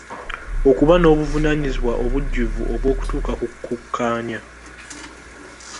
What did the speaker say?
Okuba n'obuvunaanyizibwa obujjuvu obw'okutuuka ku kukkaanya.